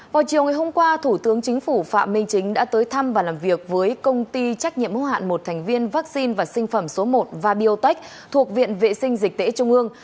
vào chiều ngày hôm qua thủ tướng chính phủ phạm minh chính đã tới thăm và làm việc với công ty trách nhiệm hữu hạn một thành viên vaccine và sinh phẩm số một vabiotech thuộc viện vệ sinh dịch tễ trung ương